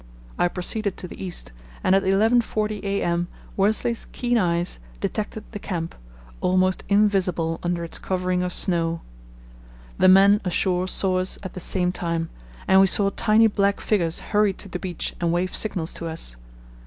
I proceeded to the east, and at 11.40 a.m. Worsley's keen eyes detected the camp, almost invisible under its covering of snow. The men ashore saw us at the same time, and we saw tiny black figures hurry to the beach and wave signals to us.